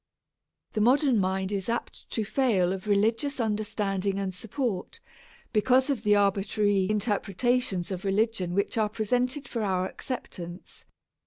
The modern mind is apt to fail of religious understanding and support, because of the arbitrary interpretations of religion which are presented for our acceptance.